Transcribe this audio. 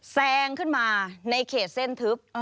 แซงขึ้นมาในเขตเส้นทึบ